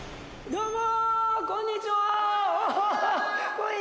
どうも！